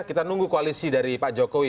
kita nunggu koalisi dari pak jokowi